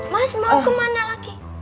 mas mau ke mana lagi